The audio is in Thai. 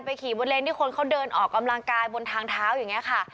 ขี่บนเลนที่คนเขาเดินออกกำลังกายบนทางเท้าอย่างนี้ค่ะ